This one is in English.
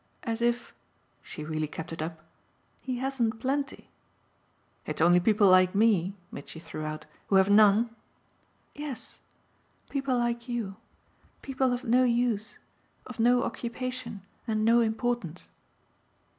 As if" she really kept it up "he hasn't plenty!" "It's only people like me," Mitchy threw out, "who have none?" "Yes people like you. People of no use, of no occupation and no importance.